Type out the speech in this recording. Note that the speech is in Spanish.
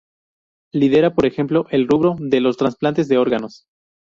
Lidera, por ejemplo, en el rubro de los trasplantes de órganos.